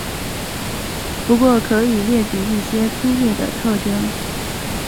不过可以列举一些粗略的特征。